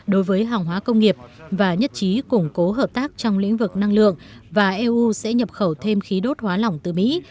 đối với hàng hóa công nghiệp và nhất trí củng cố hợp tác trong lĩnh vực năng lượng và eu sẽ nhập khẩu thêm khí đốt hóa lỏng từ mỹ